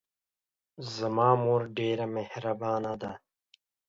زما مور ډېره محربانه ده